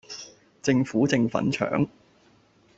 政府正粉腸